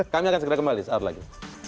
kami akan segera kembali satu hari lagi